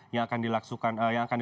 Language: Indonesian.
yang akan dilaksanakan